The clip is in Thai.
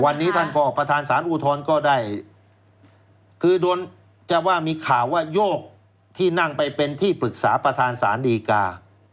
วันนี้ท่านก็ประธานสารอุทธรณ์ก็ได้คือโดนจะว่ามีข่าวว่าโยกที่นั่งไปเป็นที่ปรึกษาประธานศาลดีกา